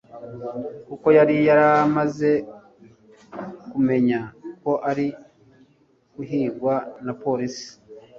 kuko yari yaramaze kumenya ko ari guhigwa na police